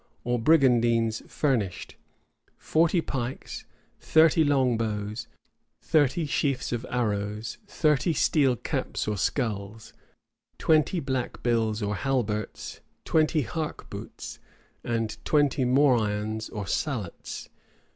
or brigandines furnished; forty pikes, thirty long bows, thirty sheafs of arrows, thirty steel caps or skulls, twenty black bills or halberts, twenty harquebuts, and twenty morions or sallets.